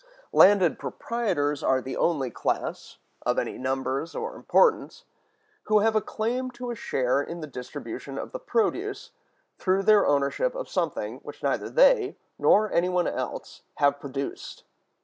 Landed proprietors are the only class, of any numbers or importance, who have a claim to a share in the distribution of the produce, through their ownership of something which neither they nor any one else have produced.